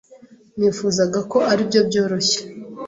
Nifuzaga ko aribyo byoroshye.